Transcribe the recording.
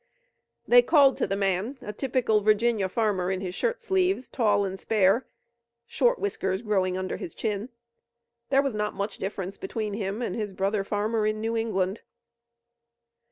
They called to the man, a typical Virginia farmer in his shirt sleeves, tall and spare, short whiskers growing under his chin. There was not much difference between him and his brother farmer in New England.